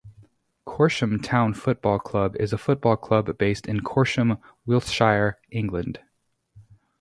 Corsham Town Football Club is a football club based in Corsham, Wiltshire, England.